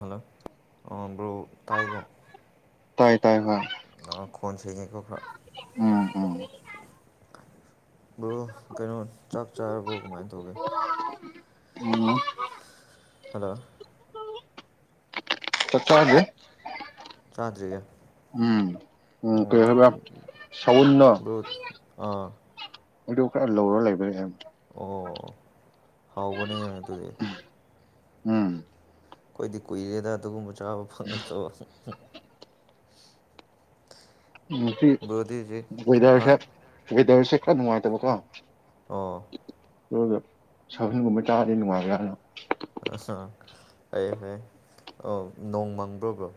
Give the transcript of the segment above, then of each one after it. hello bro ꯇꯥꯏꯒꯣ ꯇꯥꯏ ꯇꯥꯏ ꯍꯣꯏ ꯑ ꯈꯨꯣꯟꯣꯟꯁꯤꯒ ꯎꯝ ꯎꯝ ꯑꯣꯣ ꯀꯩꯅꯣ ꯆꯥꯛ ꯆꯥꯔꯕꯣ ꯀꯃꯥꯏꯅ ꯇꯧꯒꯦ ꯎꯝ ꯍꯜꯂꯣ ꯆꯠꯇ ꯍꯥꯏꯒꯦ ꯆꯥꯇꯦ ꯎꯝ ꯀꯩ ꯍꯥꯏꯕ ꯁꯥꯎꯅ ꯕ꯭ꯔꯣ ꯑꯥ ꯎꯗꯨ ꯈꯔ ꯂꯧꯔ ꯂꯩꯕ ꯑꯣ ꯍꯥꯎꯕꯅꯦ ꯇꯨꯖꯦ ꯎꯝ ꯑꯩꯈꯣꯏꯗꯤ ꯀꯨꯏꯔꯦꯗ ꯑꯗꯨꯒꯨꯝꯕ ꯆꯥꯕ ꯐꯪꯉꯛꯇꯣ ꯎ ꯁꯤ ꯍꯥ ꯋꯦꯗꯔꯁ ꯋꯦꯗꯔꯁꯦ ꯈꯔ ꯅꯨꯡꯉꯥꯏꯇꯕꯀꯣ ꯑꯣ ꯑꯗꯨꯒ ꯁꯍꯟꯒꯨꯝꯕ ꯇꯥꯔꯗꯤ ꯅꯨꯡꯉꯥꯏꯕ ꯌꯥꯅ ꯑ ꯑꯩ ꯐꯣꯏ ꯑ ꯅꯣꯡ ꯃꯪꯕ꯭ꯔꯣꯕ꯭ꯔꯣ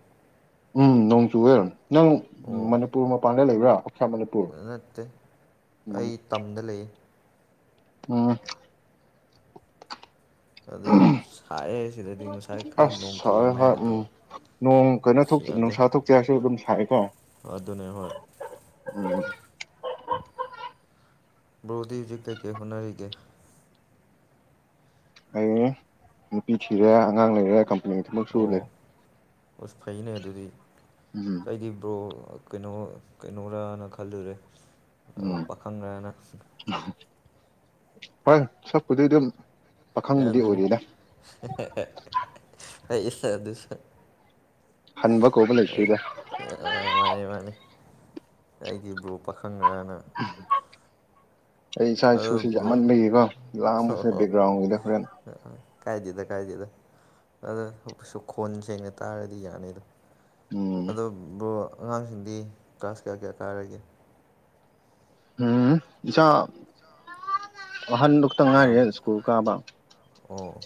ꯎꯝ ꯅꯣꯡ ꯆꯨꯋꯦꯔ ꯅꯪ ꯑꯣ ꯃꯅꯤꯄꯨꯔ ꯃꯄꯥꯟꯗ ꯂꯩꯕ꯭ꯔꯥ ꯑꯥꯎꯠꯁꯥꯏꯠ ꯃꯅꯤꯄꯨꯔ ꯅꯠꯇꯦ ꯎꯝ ꯑꯩ ꯇꯝꯗ ꯂꯩꯌꯦ ꯎꯝ ꯑꯗꯨ ꯁꯥꯛꯑꯦ ꯁꯤꯗꯗꯤ ꯉꯁꯥꯏ ꯈꯔ ꯑꯁ ꯅꯣꯡ ꯁꯥꯏ ꯆꯨꯔꯝꯃꯦ ꯍꯣꯏ ꯑꯗꯣ ꯎꯝ ꯅꯣꯡ ꯀꯩꯅꯣ ꯁꯤ ꯌꯥꯗꯦ ꯅꯨꯡꯁꯥ ꯊꯣꯛꯇꯦ ꯍꯥꯏꯁꯨ ꯑꯗꯨꯝ ꯁꯥꯏꯑꯦꯀꯣ ꯑꯗꯨꯅꯦ ꯎꯝ ꯣꯗꯤꯤ ꯌꯒꯒꯤ ꯍꯨꯅꯔꯒ ꯑꯩ ꯅꯨꯄꯤ ꯊꯤꯔꯦ ꯑꯉꯥꯡ ꯂꯩꯔꯦ ꯀꯝꯄꯅꯤ ꯊꯕꯛ ꯁꯨ ꯑꯣ ꯂꯩ ꯑꯁ ꯐꯩꯅꯦ ꯑꯗꯨꯗꯤ ꯎꯝ ꯑꯩꯗꯤ ꯕ꯭ꯔꯣ ꯀꯩꯅꯣ ꯀꯩꯅꯣꯔꯅ ꯈꯜꯂꯨꯔꯦ ꯎꯝ ꯄꯥꯈꯪꯔꯅ ꯍ ꯁꯕ ꯈꯨꯊ ꯑꯗꯨꯝ ꯑꯗꯨ ꯄꯥꯈꯪꯕꯨꯗꯤ ꯑꯗꯨꯅꯦ ꯑꯣꯏꯔꯤꯗ ꯑꯩꯁ ꯑꯗꯨꯁ ꯍꯟꯕ ꯀꯧꯕ ꯑꯩ ꯂꯩꯇ꯭ꯔꯤꯗ ꯃꯥꯅꯦ ꯃꯥꯅꯤ ꯑꯩꯒꯤ ꯕ꯭ꯔꯨꯞ ꯄꯥꯈꯪꯅ ꯎꯝ ꯑꯩ ꯏꯆꯥ ꯑꯗꯣ ꯏꯁꯨꯁꯤ ꯕ꯭ꯔꯣ ꯌꯥꯝꯃꯟꯕꯒꯤꯀꯣ ꯂꯥꯡꯕꯁꯤꯦ ꯑꯣ ꯕꯦꯛꯒ꯭ꯔꯥꯎꯟꯒꯤꯗ ꯍꯣꯔꯦꯟ ꯀꯥꯏꯗꯦꯗ ꯀꯥꯏꯗꯦꯗ ꯑꯗꯣ ꯁ ꯈꯣꯟ ꯁꯦꯡꯅ ꯇꯥꯔꯗꯤ ꯌꯥꯅꯤ ꯑꯗꯣ ꯎꯝ ꯑꯗꯨꯕꯨ ꯑꯉꯥꯡꯁꯤꯡꯗꯤ ꯀ꯭ꯂꯥꯁ ꯀꯌꯥ ꯀꯌꯥ ꯀꯥꯔꯒꯦ ꯎꯝ ꯏꯆꯥꯥ ꯑꯍꯟꯗꯨꯛꯇ ꯌꯥꯝ ꯉꯥꯏꯔꯤꯦ ꯁ꯭ꯀꯨꯜ ꯀꯥꯕ ꯑꯣ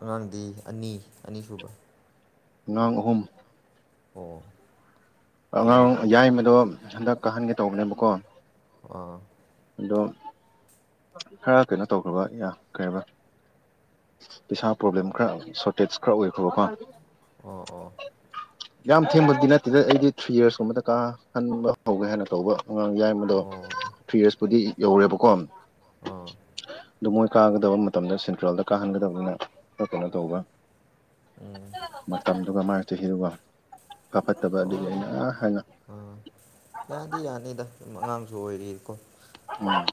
ꯑꯉꯥꯡꯗꯤ ꯑꯅꯤ ꯑꯅꯤ ꯁꯨꯕ ꯅꯥꯡ ꯑꯍꯨꯝ ꯑꯣ ꯑꯉꯥꯡ ꯀꯩꯅꯣ ꯌꯥꯏꯃꯗꯣ ꯍꯟꯗꯛꯀ ꯍꯟꯒꯦ ꯇꯧꯕꯅꯦꯕꯀꯣ ꯑꯥ ꯑꯗꯣ ꯈꯔ ꯀꯩꯅꯣ ꯇꯧꯈ꯭ꯔꯕ ꯌꯥ ꯀꯔꯕ ꯄꯩꯁꯥ ꯄ꯭ꯔꯣꯕ꯭ꯂꯦꯝ ꯈꯔ ꯁꯣꯔꯇꯦꯖ ꯈꯔ ꯑꯣꯏꯈ꯭ꯔꯕꯀꯣ ꯑꯣ ꯑꯣ ꯌꯥꯝ ꯊꯦꯡꯕꯗꯤ ꯅꯠꯇꯦꯗ ꯑꯩꯗꯤ ꯊ꯭ꯔꯤ ꯌꯔꯁꯀꯨꯝꯕꯗ ꯀꯥꯍꯟꯕ ꯍꯧꯒꯦ ꯍꯥꯏꯅ ꯇꯧꯕ ꯑꯉꯥꯡ ꯌꯥꯏꯕꯗꯣ ꯑꯣ ꯐꯤꯔꯁꯄꯨꯗꯤ ꯌꯧꯔꯦꯕꯀꯣ ꯑꯥ ꯑꯗꯨꯣ ꯃꯣꯏ ꯀꯥꯒꯗꯕ ꯃꯇꯝꯗ ꯁꯦꯟꯇ꯭ꯔꯦꯜꯗ ꯀꯥꯍꯟꯒꯗꯕꯅꯤꯅ ꯀꯩꯅꯣ ꯇꯧꯕ ꯎꯝ ꯃꯇꯝꯗꯨꯒ ꯃꯥꯥꯏꯛꯇ ꯍꯤꯔꯨꯕ ꯐ ꯐꯠꯇꯕ ꯑꯗꯨ ꯍꯣꯏ ꯑꯅ ꯍꯥꯏꯪꯉ ꯑꯥ ꯌꯥꯗꯤ ꯌꯥꯅꯤꯗ ꯑꯗꯨꯝ ꯑꯉꯥꯡꯁꯨ ꯑꯣꯏꯔꯤꯀꯣ ꯎꯝ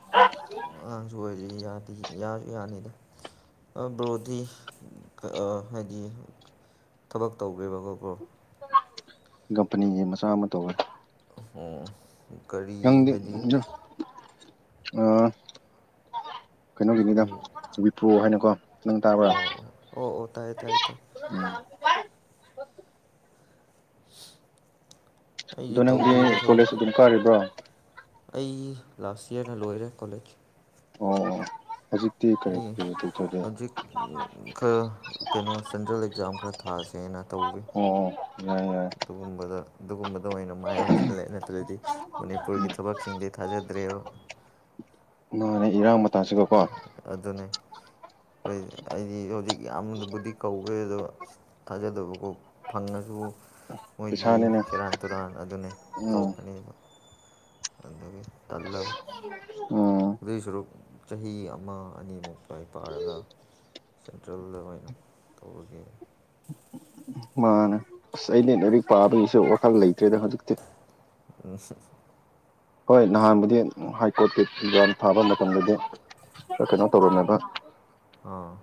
ꯌꯥ ꯌꯥ ꯌꯥꯅꯤꯗ ꯕ꯭ꯔꯣꯗꯤ ꯍꯥꯏꯗꯤ ꯊꯕꯛ ꯇꯧꯒꯦꯕꯀꯣ ꯕ꯭ꯔꯣ ꯀꯝꯄꯅꯤꯒꯤ ꯃꯆꯥ ꯑꯃ ꯇꯧꯋꯅꯤ ꯑꯣ ꯀꯔꯤ ꯍꯥꯏꯗꯤ ꯑ ꯁꯨꯝ ꯀꯩꯅꯣꯒꯤꯅꯤꯗ ꯕꯤꯄ꯭ꯔꯣ ꯍꯥꯏꯅꯀꯣ ꯅꯪ ꯇꯥꯕ꯭ꯔꯥ ꯑꯣ ꯑꯣ ꯑꯣ ꯇꯥꯏꯌꯦ ꯇꯥꯏ ꯇꯥꯏ ꯎꯝ ꯑꯩꯗꯤ ꯑꯗꯣ ꯅꯪꯗꯤ ꯇꯧꯗ꯭ꯔꯤꯗ ꯊꯕꯛ ꯀꯣꯂꯦꯖ ꯑꯗꯨꯝ ꯀꯥꯔꯤꯕ꯭ꯔꯥ ꯑꯩ ꯂꯥꯁ ꯌꯔꯅ ꯂꯣꯏꯔꯦ ꯀꯣꯂꯦꯖ ꯑꯣ ꯍꯧꯖꯤꯛꯇꯤ ꯀꯔꯤ ꯑꯩ ꯀꯔꯤ ꯀꯔꯤ ꯇꯧꯒꯦ ꯍꯧꯖꯤꯛ ꯈ ꯀꯩꯅꯣ ꯁꯦꯟꯇ꯭ꯔꯦꯜ ꯖꯥ ꯈꯔ ꯊꯥꯥꯁꯦꯅ ꯎꯝ ꯑꯗꯨꯒꯨꯝꯕꯗ ꯑꯗꯨꯒꯨꯝꯕꯗ ꯑꯣꯏꯅ ꯃꯥꯏ ꯑꯣꯟꯁꯤꯜꯂꯛꯦ ꯅꯠꯇ꯭ꯔꯗꯤ ꯃꯅꯤꯄꯨꯔꯒꯤ ꯎꯝ ꯊꯕꯛꯁꯤꯡꯗꯤ ꯊꯥꯖꯗ꯭ꯔꯦꯌꯨ ꯅꯨꯡꯉꯔꯦ ꯏꯔꯥꯡ ꯃꯇꯥꯡꯁꯤꯒꯀꯣ [unintelligible] ꯍꯣꯏ ꯑꯩꯗꯤ ꯍꯧꯖꯤꯛ ꯌꯥꯝꯗꯕꯨꯗꯤ ꯀꯧꯋꯦ ꯑꯗꯣ ꯊꯥꯖꯗꯕꯀꯣ ꯐꯪꯉꯁꯨ ꯃꯣꯏꯗꯤ ꯄꯩꯁꯥꯅꯤꯅꯦ ꯁꯦꯔꯥꯟ ꯇꯨꯔꯥꯟ ꯑꯗꯨꯅꯦ ꯎꯝ ꯇꯧꯒꯅꯦꯕ ꯑꯗꯒꯤ ꯇꯂꯕ ꯎꯝ ꯑꯗꯨꯗꯤ ꯁꯨꯔꯨ ꯆꯍꯤ ꯑꯃ ꯑꯅꯤꯃꯨꯛꯇꯋꯥꯏ ꯄꯥꯔꯒ ꯁꯦꯟꯇ꯭ꯔꯦꯜ ꯑꯗꯨꯅ ꯇꯧꯕꯒꯤ ꯃꯥꯅꯦ ꯑꯁ ꯑꯗꯤ ꯂꯥꯏꯔꯤꯛ ꯄꯥꯕꯒꯤꯁꯨ ꯋꯥꯈꯜ ꯂꯩꯇ꯭ꯔꯦꯗ ꯍꯧꯖꯤꯛꯇꯤ ꯎꯝ ꯍꯣꯏ ꯅꯍꯥꯟꯕꯨꯗꯤ ꯍꯥꯏ ꯀꯣꯔꯠꯀꯤ ꯭ꯟ ꯊꯥꯕ ꯃꯇꯝꯗꯗꯤ ꯀꯩꯅꯣ ꯇꯧꯔꯅꯦꯕ ꯑ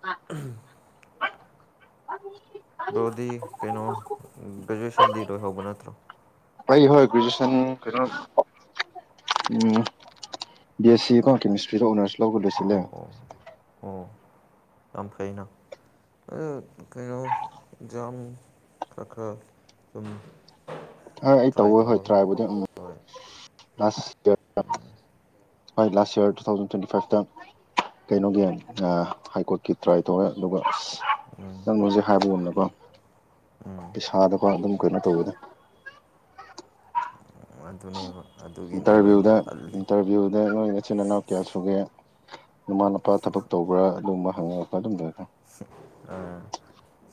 ꯎꯝ ꯎꯝ ꯕꯣꯗꯤ ꯀꯩꯅꯣ ꯒ꯭ꯔꯦꯖꯨꯌꯦꯁꯟꯗꯤ ꯔꯣꯏꯍꯧꯕ ꯅꯠꯇ꯭ꯔꯣ ꯍ꯭ꯔꯦꯖꯨꯋꯟ ꯎꯝ ꯁꯤ ꯀ ꯀꯁ ꯐ꯭ꯔꯤ ꯑꯣꯐ ꯑꯣꯅꯔꯁ ꯂꯧꯒ ꯂꯣꯏꯁꯤꯜꯂꯦ ꯀ ꯀꯩꯅ ꯑꯗꯨ ꯀꯩꯅꯣ ꯑꯦꯖꯥꯝ ꯈꯔ ꯈꯔ ꯑꯗꯨꯝ ꯍꯣꯏ ꯑꯩ ꯇꯧꯋꯦ ꯍꯣꯏ ꯇ꯭ꯔꯥꯏꯕꯨꯗꯤ ꯑꯃꯛ ꯍꯣꯏ ꯍꯣꯏ last year two thousand twenty ꯐꯥꯏꯚꯇ ꯀꯩꯅꯣꯒꯤ ꯍꯥꯏ ꯀꯣꯔꯠꯀꯤ ꯇ꯭ꯔꯥꯏ ꯇꯧꯋꯦ ꯑꯗꯨꯒ ꯑꯁ ꯅꯪꯅ ꯍꯧꯖꯤꯛ ꯍꯥꯏꯕ ꯉꯝꯅꯕ ꯄꯩꯁꯥꯗꯀ ꯑꯗꯨꯝ ꯀꯩꯅꯣ ꯇꯧꯕꯅꯦ ꯑꯗꯨꯅꯦꯕ ꯑꯗꯨꯒꯤꯅꯦꯕ ꯑꯩꯅ ꯏꯟꯇꯔꯚꯤꯌꯨꯗ ꯇꯜꯂꯤ ꯏꯟꯇꯔꯚꯤꯌꯨꯗ ꯅꯣꯏ ꯏꯆꯤꯟ ꯏꯅꯥꯎ ꯀꯌꯥ ꯁꯨꯒꯦ ꯅꯃꯥ ꯅꯄꯥ ꯊꯕꯛ ꯇꯧꯕ꯭ꯔꯥ ꯑꯗꯨꯒꯨꯝꯕ ꯍꯪꯉꯛꯄ ꯑꯗꯨꯝꯕ ꯁꯤ ꯑꯥ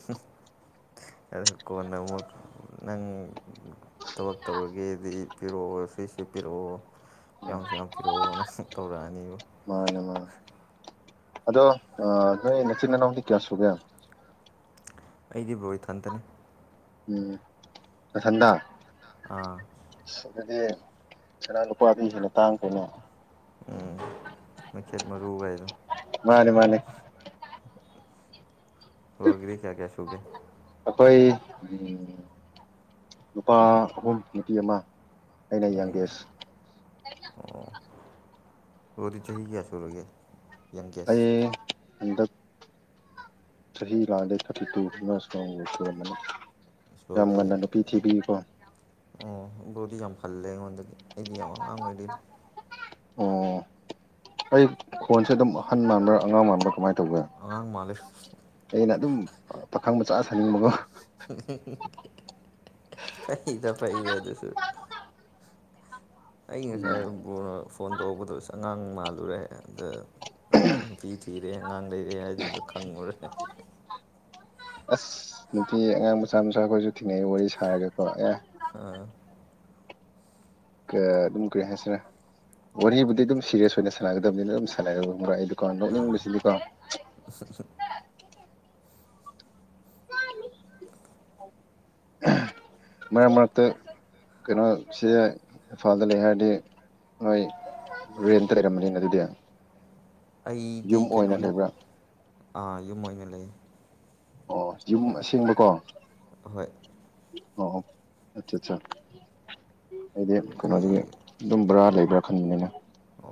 ꯁꯤ ꯑ ꯀꯣꯟꯅ ꯑꯃꯨꯛ ꯅꯪ ꯊꯕꯛ ꯇꯧꯔꯒꯦꯗꯤ ꯄꯤꯔꯛꯑꯣ ꯁꯤ ꯄꯔꯣ ꯎꯝ ꯌꯥꯝ ꯌꯥꯝ ꯄꯤꯔꯛꯑꯣ ꯅꯪ ꯇꯧꯔꯛꯑꯅꯤꯕ ꯃꯥꯅꯦ ꯃꯥꯅꯦ ꯑꯗꯣ ꯅꯣꯏ ꯃꯆꯤꯟ ꯃꯅꯥꯎꯗꯤ ꯀꯌꯥ ꯁꯨꯒꯦ ꯑꯩꯗꯤ ꯕꯣ ꯏꯊꯟꯇꯅꯦ ꯎꯝ ꯅꯊꯟꯗ ꯑꯥ ꯑꯁ ꯑꯗꯨꯗꯤ ꯀꯅꯥ ꯂꯨꯄꯥꯗꯨ ꯍꯦꯟꯅ ꯇꯥꯡꯈ꯭ꯔꯦꯅꯦ ꯎꯝ ꯃꯩꯈꯦꯠꯃꯔꯨꯕꯥꯏ ꯑꯗꯨꯝ ꯃꯥꯅꯦ ꯃꯥꯅꯦ ꯕꯥꯒꯤꯗꯤ ꯀꯌꯥ ꯀꯌꯥꯁꯨ ꯎꯒꯦ ꯎꯝ ꯅꯨꯨꯄꯥ ꯑꯍꯨꯝ ꯅꯨꯄꯤ ꯑꯃ ꯑꯩꯅ ꯌꯪꯒꯦꯁ ꯑꯣꯗꯤ ꯆꯍꯤ ꯀꯌꯥꯁꯨꯂꯒꯦ ꯑꯩ ꯍꯟꯗꯛ ꯆꯍꯤꯍꯤ ꯂꯥꯡꯗ ꯊꯥꯔꯇꯤ ꯇꯨ ꯌꯥꯝ ꯉꯟꯅ ꯅꯨꯄꯤ ꯊꯤꯕꯤꯀꯣ ꯑꯣ ꯕꯣꯗꯤ ꯑꯩꯗꯤ ꯌꯥꯝ ꯑꯉꯥꯡ ꯑꫭꯏꯔꯤ ꯑꯣ ꯑꯩ ꯐꯣꯟꯁꯦ ꯑꯗꯨꯝ ꯑꯍꯟ ꯃꯥꯟꯕ꯭ꯔꯥ ꯑꯉꯥꯡ ꯃꯥꯟꯕ꯭ꯔꯥ ꯀꯃꯥꯏꯅ ꯇꯧ ꯑꯉꯥꯡ ꯃꯥꯜꯂꯦ ꯇ ꯑꯩꯅ ꯑꯗꯨꯝ ꯄꯥꯈꯪ ꯃꯆꯥ ꯁꯥꯅꯤꯡꯕꯒꯣ ꯐꯩꯗ ꯐꯩꯗ ꯑꯗꯨꯁꯨ ꯑꯩ ꯎꯝ ꯉꯁꯥꯏ ꯐꯣꯟ ꯇꯧꯔꯛꯄꯗꯣ ꯑꯉꯥꯡ ꯃꯥꯜꯂꯨꯔꯦ ꯑꯗ ꯅꯨꯄꯤ ꯊꯤꯔꯦ ꯑꯉꯥꯡ ꯂꯩꯔꯦ ꯍꯥꯏꯗꯨ ꯑꯗꯨ ꯈꯪꯉꯨꯔꯦ ꯑꯁ ꯅꯨꯄꯤ ꯑꯉꯥꯡ ꯃꯆꯥ ꯃꯆꯥꯈꯣꯏꯁꯨ ꯊꯦꯡꯅꯛꯏ ꯋꯥꯔꯤ ꯁꯥꯔꯒꯀꯣ ꯑꯦ ꯑꯥ ꯑꯗꯨꯝ ꯀꯔꯤ ꯍꯥꯏꯁꯤꯔ ꯋꯥꯔꯤꯕꯨꯗꯤ ꯑꯗꯨꯝ ꯁꯤꯔꯤꯁ ꯑꯣꯏꯅ ꯁꯥꯟꯅꯒꯗꯕꯅꯤꯅ ꯑꯗꯨꯝ ꯁꯥꯟꯅꯕ꯭ꯔ ꯑꯩ ꯀꫭ ꯂꯣꯛꯅꯤꯡꯕꯁꯤꯗꯤꯀꯣ [unintelligible] ꯃꯔꯛ ꯃꯔꯛꯇ ꯀꯩꯅꯣꯁꯤ ꯏꯝꯐꯥꯜꯗ ꯂꯩ ꯍꯥꯏꯔꯗꯤ ꯅꯣꯏ ꯔꯦꯟꯇ ꯂꯩꯔꯝꯕꯅꯤꯅ ꯑꯗꯨꯗꯤ ꯑꯩꯗꯤ ꯌꯨꯝ ꯑꯣꯏꯅ ꯀꯩꯅꯣꯅꯦ ꯂꯩꯕ꯭ꯔꯥ ꯌꯨꯝ ꯑꯣꯏꯅ ꯂꯩ ꯑꯣ ꯌꯨꯝ ꯑꯁꯦꯡꯕꯀꯣ ꯍꯣꯏ ꯑꯣ ꯑꯠꯆꯥ ꯑꯠꯆꯥ ꯑꯩꯗꯤ ꯀꯩꯅꯣꯁꯤꯒꯤ ꯑꯩꯈꯣꯏ ꯑꯗꯨꯝ ꯕꯣꯔꯥ ꯂꯩꯕ꯭ꯔꯥ ꯈꯟꯗꯅ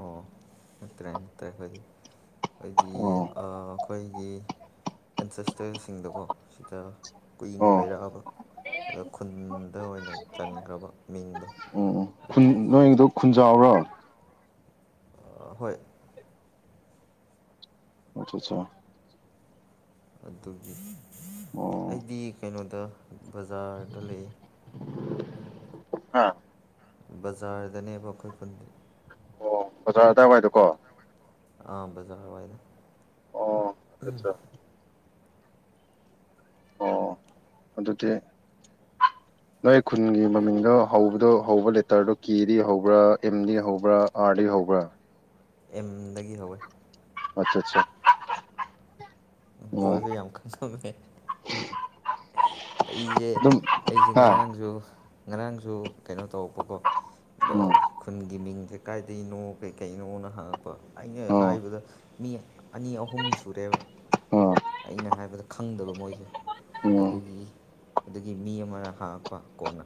ꯑꯣ ꯅꯠꯇ꯭ꯔꯦ ꯅꯠꯇ꯭ꯔꯦ ꯑꯩꯈꯣꯏꯗꯤ ꯑꯩꯗꯤ ꯑꯣ ꯑꯩꯈꯣꯏ ꯑꯩ ꯒꯤ ꯑꯦꯟꯁꯦꯁꯇꯔꯁꯤꯡꯗꯀꯣ ꯁꯤꯗ ꯀꯨꯏꯅ ꯑꯣ ꯂꯩꯔꯛꯑꯕ ꯑꯗ ꯈꯨꯟꯗ ꯑꯣꯏꯅ ꯆꯟꯈ꯭ꯔꯕ ꯃꯤꯡꯗꯣ ꯑꯗꯨꯒꯤ ꯅꯣꯏꯗ ꯈꯨꯟꯖ ꯍꯣꯏ ꯑꯆꯥ ꯑꯠꯆꯥ ꯑꯗꯨꯒꯤ ꯑꯣ ꯑꯩꯗꯤ ꯀꯩꯅꯣ ꯕꯖꯥꯔꯗ ꯂꯩ ꯑꯥ ꯕꯖꯥꯔꯗꯅꯦꯕ ꯑꯩꯈꯣꯏ ꯄꯨꯟꯗꯤ ꯑꯣ ꯕꯖꯥꯔ ꯑꯗꯨꯋꯥꯏꯗꯨꯀꯣ ꯑꯥ ꯕꯖꯥ ꯑꯣꯏꯗ ꯑꯣ ꯑꯆꯥ ꯑꯠꯆꯥ ꯑꯣ ꯑꯗꯨꯗꯤ [unintelligible] ꯅꯣꯏ ꯈꯨꯟꯒꯤ ꯃꯃꯤꯡꯗꯣ ꯍꯧꯕꯗꯣ ꯍꯧꯕ ꯂꯦꯇꯔꯗꯣ ꯀꯦꯗꯤ ꯍꯧꯕ꯭ꯔꯥ ꯑꯦꯝꯗꯤ ꯍꯧꯕ꯭ꯔꯥ ꯑꯥꯔꯗꯤ ꯍ ꯍꯧꯕ꯭ꯔ ꯑꯦꯝꯗꯒꯤ ꯍꯧꯋꯦ ꯑꯆꯥ ꯑꯠꯆꯥ ꯑꯣ ꯁꯨ ꯌꯥꯝ ꯀꯦ ꯑꯩꯁꯦ ꯑꯗꯨꯝ ꯑꯩꯁꯦ ꯍꯥ ꯉꯔꯥꯡꯁꯨ ꯉꯔꯥꯡꯁꯨ ꯀꯩꯅꯣ ꯇꯧꯔꯛꯄꯀꯣ ꯎꯝ ꯈꯨꯟꯒꯤ ꯃꯤꯡꯗ ꯀꯥꯏꯗꯅꯣ ꯀꯩꯀꯩꯅꯣꯅ ꯍꯪꯉꯛꯄ ꯑꯩꯅ ꯑꯣ ꯑꯣ ꯍꯥꯏꯕꯗ ꯃꯤ ꯑꯅꯤ ꯑꯍꯨꯝ ꯁꯨꯔꯦꯕ ꯑꯩꯅ ꯍꯥꯏꯕꯗ ꯈꯪꯗꯕ ꯃꯣꯏꯁꯦ ꯎꯝ ꯑꯗꯨꯒꯤ ꯑꯗꯨꯒꯤ ꯃꯤ ꯑꯃꯅ ꯍꯥꯡꯉꯛꯄ ꯀꯣꯟꯅ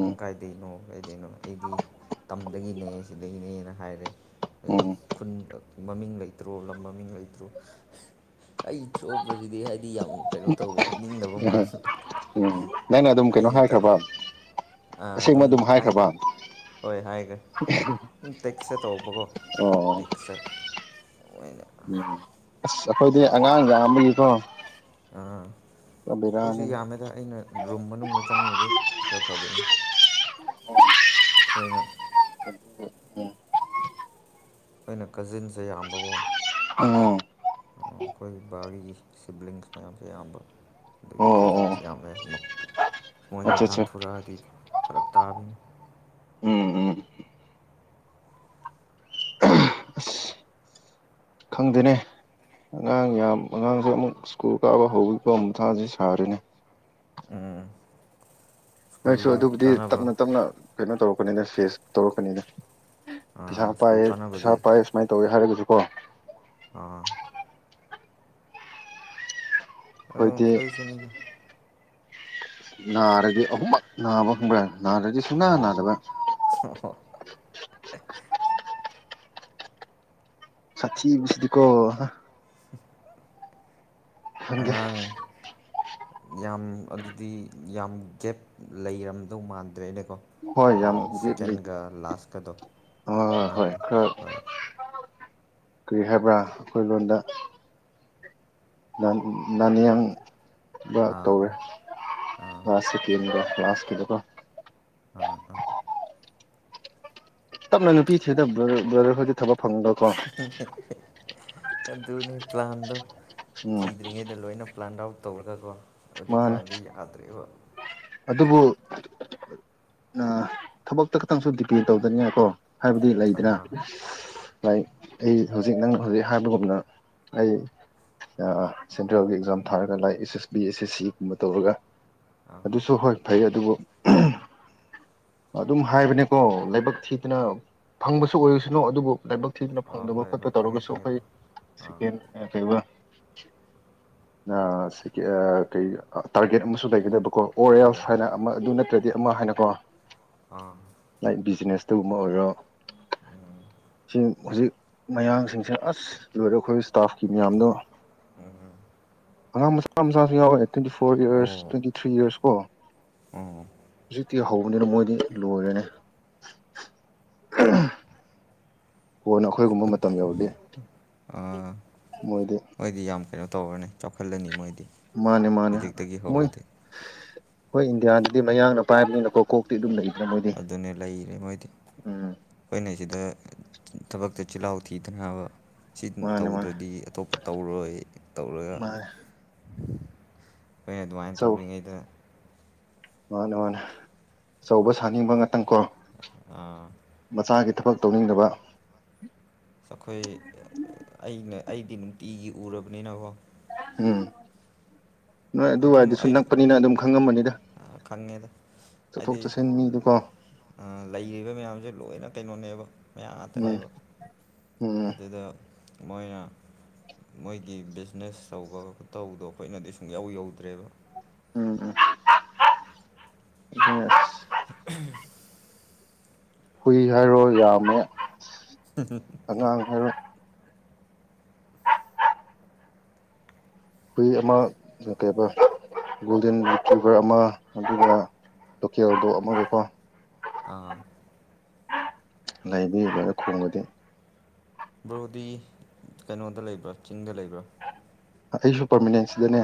ꯎꯝ ꯀꯥꯏꯗꯩꯅꯣ ꯀꯩꯗꯅꯣ ꯑꯩꯗꯤ ꯇꯝꯗꯒꯤꯅꯦ ꯁꯤꯗꯒꯤꯅꯦꯅ ꯍꯥꯏꯔꯦ ꯎꯝ ꯈꯨꯟ ꯃꯃꯤꯡ ꯂꯩꯇ꯭ꯔꯣ ꯂꯝ ꯃꯃꯤꯡ ꯂꯩꯇ꯭ꯔꯣ ꯑꯩ ꯁꯣꯛꯄꯕꯁꯤꯗꯤ ꯍꯥꯏꯗꯤ ꯌꯥꯝ ꯀꯩꯅꯣ ꯇꯧꯕ ꯍꯥꯏꯅꯤꯡꯗꯕ ꯎꯝ ꯃꯥꯁꯨ ꯎꯝ ꯅꯪꯅ ꯑꯗꯨꯝ ꯀꯩꯅꯣ ꯑꯩꯅ ꯍꯥꯏꯈ꯭ꯔꯕ ꯑꯁꯦꯡꯕ ꯑꯗꯨꯝ ꯍꯥꯏꯈ꯭ꯔꯕ ꯍꯣꯏ ꯍꯥꯏꯈ꯭ꯔꯦ ꯎ ꯇꯦꯛꯁꯇ ꯇꯧꯕꯀꯣ ꯑꯣ ꯇꯦꯛꯁꯇ ꯃꯣꯏꯅ ꯎꯝ ꯑꯁ ꯑꯩꯈꯣꯏꯗꯤ ꯑꯉꯥꯡꯒ ꯑꯃꯒꯤꯀꯣ ꯑꯥ ꯑꯩꯈꯣꯏꯁꯨ ꯌꯥꯝꯃꯦꯗ ꯑꯩꯅ ꯔꯨꯝ ꯃꯅꯨꯡꯗ ꯆꯪꯉꯨꯕꯒꯤ ꯔꯚꯥꯕ ꯈꯈꯣꯏꯅ ꯎꯝ ꯑꯩꯅ ꯀꯖꯤꯟꯁꯦ ꯌꯥꯝꯕꯕꯨꯣ ꯑꯣ ꯑꯩꯈꯣꯏ ꯕꯥꯒꯤ ꯁꯤꯕ꯭ꯂꯤꯡꯁ ꯃꯌꯥꯝꯁꯦ ꯑꯌꯥꯝꯕ ꯑꯗꯒꯤ ꯑꯣ ꯑꯣ ꯀꯖꯤꯟꯁ ꯌꯥꯝꯃꯦ ꯃꯣꯏꯅ ꯑꯠꯆꯥ ꯑꯠꯆꯥ ꯂꯥꯟꯊꯣꯔꯛꯑꯗꯤ ꯐꯔꯛ ꯇꯥꯕꯅꯤ ꯎꯝ ꯎꯝ ꯑꯁ ꯈꯪꯗꯦꯅꯦ ꯑꯉꯥꯡ ꯌꯥꯝ ꯑꯉꯥꯡꯁꯦ ꯑꯃꯨꯛ ꯁ꯭ꯀꯨꯜ ꯀꯥꯕ ꯍꯧꯋꯤꯀꯣ ꯑꯃꯨꯊꯁꯤ ꯁꯥꯔꯤꯅꯤ ꯎꯝ ꯅꯣꯏꯁꯨ ꯑꯗꯨꯕꯨꯗꯤ ꯇꯞꯅ ꯇꯞꯅ ꯀꯩꯅꯣ ꯇꯧꯔꯛꯀꯅꯤꯅ ꯐꯦꯁ ꯇꯧꯔꯛꯀꯅꯤꯅ ꯄꯩꯁꯥ ꯄꯥꯏ ꯁ꯭ꯀꯨꯜ ꯄꯩꯁꯥ ꯀꯥꯟꯅꯕꯗꯤ ꯄꯥꯏ ꯑꯗꯨꯝ ꯁꯨꯃꯥꯏꯅ ꯇꯧꯋꯦ ꯍꯥꯏꯔꯒꯁꯨꯀꯣ ꯑ ꯑꯩꯈꯣꯏꯗꯤ ꯀꯣꯏꯁꯨꯅꯤꯅꯦ ꯅꯥꯔꯗꯤ ꯑꯍꯨꯝꯃꯛ ꯅꯥꯕ ꯈꯪꯕ꯭ꯔꯥ ꯅꯅꯥꯗꯦꯗꯤ ꯁꯨꯅ ꯑꯣ ꯅꯗꯕꯥ ꯁꯥꯆꯤꯗꯤꯀꯣ ꯍꯪꯦ ꯑꯉꯥꯡ ꯌꯥꯝ ꯑꯗꯨꯗꯤ ꯌꯥꯝ ꯒꯦꯞ ꯂꯩꯔꯝꯗꯧ ꯃꯥꯟꯗ꯭ꯔꯦ ꯑꯩꯅ ꯀꯣ ꯍꯣꯏ ꯌꯥꯝ ꯂꯩ ꯁꯦꯀꯦꯟꯒ ꯂꯥꯁꯀꯗꯣ ꯍꯣꯏ ꯍꯣꯏ ꯑꯉꯥꯡꯗꯣ ꯈꯔ ꯍꯣꯏ ꯀꯔꯤ ꯍꯥꯏꯕ꯭ꯔꯥ ꯑꯩꯈꯣꯏ ꯂꯣꯟꯗ ꯅꯅꯥꯅꯤꯌꯥꯡꯕ ꯑꯥ ꯇꯧꯔꯦ ꯑꯥ ꯑꯥ ꯉꯥꯥꯁꯦ ꯇꯦꯟꯕꯦ ꯀ꯭ꯂꯥꯁ ꯀꯗꯨꯀꯣ ꯑꯥ ꯑꯥ ꯇꯞꯅ ꯅꯨꯄꯤ ꯊꯦ ꯕ꯭ꯔꯗꯔ ꯈꯗꯤ ꯊꯕꯛ ꯐꯪꯕꯀꯣ ꯑꯗꯨꯅꯤ ꯄ꯭ꯂꯥꯟꯗꯣ ꯎꯝ ꯊꯤꯗ꯭ꯔꯤꯉꯩꯗ ꯂꯣꯏꯅ ꯄ꯭ꯂꯥꯟꯠ ꯑꯥꯎꯠ ꯇꯧꯔꯒꯀꯣ ꯃꯥꯅꯦ ꯍꯧꯖꯤꯛꯀꯥꯟꯗꯤ ꯌꯥꯗ꯭ꯔꯕ ꯑꯗꯨꯕꯨ ꯊꯕꯛꯇ ꯈꯇꯪꯁꯨ ꯗꯤꯄꯦꯟ ꯇꯧꯗꯅꯤꯡꯉꯀꯣ ꯍꯥꯏꯕꯗꯤ ꯂꯩꯗ꯭ꯔꯥ ꯑꯥ ꯂꯥꯏꯛ ꯑꯩ ꯍꯧꯖꯤꯛ ꯅꯪꯅ ꯍꯧꯖꯤꯛ ꯍꯥꯏꯕꯒꯨꯝꯅ ꯑꯩ ꯁꯦꯟꯇ꯭ꯔꯦꯜꯒꯤ ꯑꯦꯛꯖꯥꯝ ꯊꯥꯔꯒ ꯂꯥꯏ ꯑꯦꯁ ꯕꯤ ꯑꯦ ꯑꯦꯁ ꯑꯁꯤꯒꯨꯝꯕ ꯇꯧꯔꯒ ꯑꯗꯨꯁꯨ ꯍꯣꯏ ꯐꯩ ꯑꯗꯨꯕꯨ ꯎ ꯑꯗꯨꯝ ꯍꯥꯏꯕꯅꯦꯀꯣ ꯂꯥꯏꯕꯛ ꯊꯤꯗꯅ ꯐꯪꯕꯁꯨ ꯑꯣꯏꯔꯁꯅꯨ ꯑꯗꯨꯕꯨ ꯂꯥꯏꯕꯛ ꯊꯤꯗꯅ ꯑꯥ ꯐꯪꯗꯕ ꯍꯣꯏ ꯍꯣꯏ ꯈꯣꯠꯄ ꯈꯪꯉꯦ ꯇꯧꯔꯒꯁꯨ ꯈꯪꯉꯦ ꯑꯩꯈꯣꯏ ꯕ꯭ꯔꯣ ꯑꯥ ꯁꯦꯀꯦꯟ ꯀꯩꯕ ꯀꯩ ꯇꯥꯔꯒꯦꯠ ꯑꯃꯁꯨ ꯂꯩꯒꯗꯕ ꯀꯣ ꯑꯣꯔ ꯍꯣꯏ ꯑꯦꯜꯁ ꯍꯣꯏ ꯍꯥꯏꯅ ꯑꯃ ꯑꯗꯨ ꯅꯠꯇ꯭ꯔꯗꯤ ꯑꯃ ꯍꯥꯏꯅꯀꯣ ꯑꯥ ꯂꯥꯏ ꯕꯤꯖꯤꯅꯦꯁ ꯑꯗꯨꯒꯨꯝꯕ ꯑꯣꯏꯔꯣ ꯁꯤ ꯍꯧꯖꯤꯛ ꯃꯌꯥꯡꯁꯤꯡꯁꯤꯦ ꯑꯁ ꯂꯣꯏꯔꯦ ꯑꯩꯈꯣꯏ ꯃꯌꯥꯝꯗꯣ ꯑꯉꯥꯡ ꯃꯆꯥ ꯃꯆꯥꯥꯁꯨ ꯌꯥꯎꯋꯦ ꯇ꯭ꯋꯦꯟꯇꯤ ꯐꯣꯔ ꯏꯔꯁ ꯑꯣ ꯇ꯭ꯋꯦꯟꯇꯤ ꯊ꯭ꯔꯤ ꯏꯔꯁ ꯀꯣ ꯑꯣ ꯍꯧꯖꯤꯛ ꯇꯤ ꯍꯧꯕꯅꯤꯅ ꯃꯣꯏꯗꯤ ꯂꯣꯏꯔꯅꯤ ꯀꯣꯟꯅ ꯑꯩꯈꯣꯏꯒꯨꯝꯕ ꯃꯇꯝ ꯌꯧꯗꯤ ꯑ ꯃꯣꯏꯗꯤ ꯌꯥꯝ ꯀꯩꯅꯣ ꯇꯧꯔꯅꯤ ꯆꯥꯎꯈꯠꯂꯅꯤ ꯃꯣꯏꯗꯤ ꯃꯥꯅꯦ ꯃꯥꯅꯦ ꯍꯧꯖꯤꯛꯇꯒꯤ ꯃ ꯍꯧꯔꯗꯤ ꯍꯣꯏ ꯏꯟꯗꯤꯌꯥꯗꯗꯤ ꯃꯌꯥꯡꯅ ꯄꯥꯏꯕꯅꯤꯅꯀꯣ ꯀꯣꯛꯇꯤ ꯑꯗꯨꯝ ꯂꯩ ꯑꯗꯨꯅꯦ ꯂꯩꯔꯦ ꯃꯣꯏꯗꯤ ꯎꯝ ꯑꯩꯈꯣꯏꯅ ꯁꯤꯗ ꯊꯕꯛꯇ ꯆꯤꯜꯍꯥꯎ ꯊꯤꯗꯅꯕ ꯁꯤ ꯃꯥꯅꯦ ꯃꯥꯅꯦ ꯇꯧꯗ꯭ꯔꯗꯤ ꯑꯇꯣꯞꯄ ꯇꯧꯔꯣꯏ ꯇꯧꯔꯒ ꯃꯥꯅꯦ ꯑꯩꯈꯣꯏꯅ ꯑꯗꯨꯃꯥꯏꯅ ꯑꯆꯧ ꯇꯧꯔꯤꯉꯩꯗ ꯃꯥꯅꯦ ꯃꯥꯅꯦ ꯑꯆꯧꯕ ꯁꯥꯅꯤꯡꯕ ꯉꯥꯛꯇꯪꯀꯣ ꯑꯥ ꯃꯆꯥꯒꯤ ꯊꯕꯛ ꯇꯧꯅꯤꯡꯗꯕ ꯑꯩꯈꯣꯏ ꯑꯩꯅ ꯑꯩꯗꯤ ꯅꯨꯡꯇꯤꯒꯤ ꯎꯔꯕꯅꯤꯅꯀꯣ ꯎꯝ ꯅꯣꯏ ꯑꯗꯨꯝ ꯑꯗꯨꯋꯥꯏꯗꯨꯁꯨ ꯑꯩ ꯅꯛꯄꯅꯤꯅ ꯑꯗꯨꯝ ꯈꯪꯉꯝꯕꯅꯤꯗ ꯈꯪꯉꯦꯗ ꯍꯥꯏꯗꯤ ꯂꯩꯔꯤꯕ ꯃꯌꯥꯝꯁꯦ ꯂꯣꯏꯅ ꯀꯩꯅꯣꯅꯦꯕ ꯃꯌꯥꯝ ꯎꯝ ꯉꯥꯛꯇꯅꯦꯕ ꯎꯝ ꯑꯗꯨꯗ ꯃꯣꯏꯅ ꯃꯣꯏꯒꯤ ꯕꯤꯖꯤꯅꯦꯁ ꯇꯧꯕꯒ ꯇꯧꯕꯗꯣ ꯑꯩꯈꯣꯏꯅꯗꯤ ꯁꯨꯝ ꯌꯥꯎ ꯌꯧꯗ꯭ꯔꯦꯕ ꯎꯝ ꯎꯝ [unintelligible] ꯍꯨꯏ ꯍꯥꯏꯔꯣ ꯌꯥꯝꯃꯦ ꯑꯉꯥꯡ ꯍꯥꯏꯔꯣ ꯍꯨꯏ ꯑꯃ ꯀꯩ ꯒꯣꯜꯗꯦꯟ ꯐꯜꯚꯔ ꯑꯃ ꯑꯗꯨꯒ ꯂꯣꯀꯦꯜꯗꯣ ꯑꯃꯒꯀꯣ ꯑꯥ ꯂꯩꯕꯤꯕꯅ ꯈꯣꯡꯕꯗꯤ ꯕ꯭ꯔꯣꯗꯤ ꯀꯩꯅꯣꯗ ꯂꯩꯕ ꯆꯤꯡꯗ ꯂꯩꯕ ꯑꯩꯁꯨ ꯄꯔꯃꯤꯅꯦꯟꯁꯤꯗꯅꯦ